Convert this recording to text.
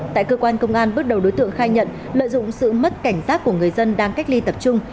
tại cơ quan công an bước đầu đối tượng khai nhận lợi dụng sự mất cảnh giác của người dân đang cách ly tập trung